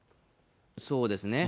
そうですね。